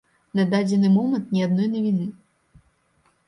На дадзены момант ні адной навіны.